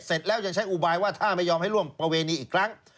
เสร็จแล้วยังใช้อุบายว่าถ้าไม่ยอมให้ร่วมประเวณีอีกครั้ง